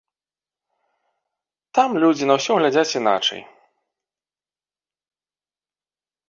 Там людзі на ўсё глядзяць іначай.